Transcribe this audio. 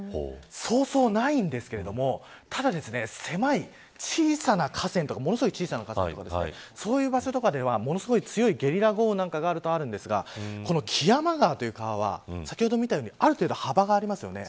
そうそうないんですけどただ、狭い小さな河川とかそういう場所とかでは強いゲリラ豪雨があるんですがこの木山川という川は先ほど見たようにある程度、幅がありますよね。